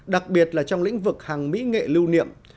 đặc biệt là trong lĩnh vực hàng mỹ nghệ lưu niệm